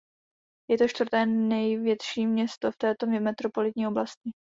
Je to čtvrté největší město v této metropolitní oblasti.